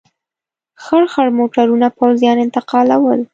خړ خړ موټرونه پوځیان انتقالول.